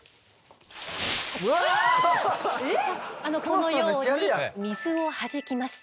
このように水をはじきます。